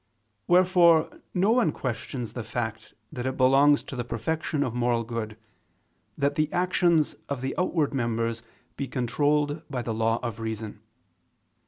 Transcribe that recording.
Wherefore no one questions the fact that it belongs to the perfection of moral good, that the actions of the outward members be controlled by the law of reason.